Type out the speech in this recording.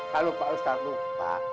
kalau pak ustadz lupa